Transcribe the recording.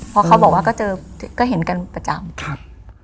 พอเขาบอกว่าก็เห็นกันประจำ